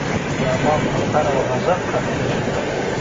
د الله په قهر او غصب اخته شئ.